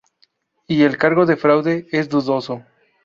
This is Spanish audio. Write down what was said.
Y el cargo de fraude es dudoso.